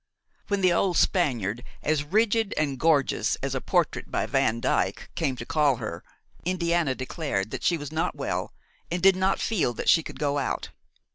When the old Spaniard, as rigid and gorgeous as a portrait by Van Dyck, came to call her, Indiana declared that she was not well and did not feel that she could go out.